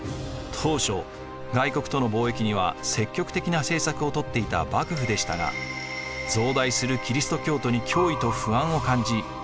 当初外国との貿易には積極的な政策をとっていた幕府でしたが増大するキリスト教徒に脅威と不安を感じ